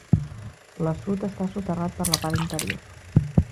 L'assut està soterrat per la part interior.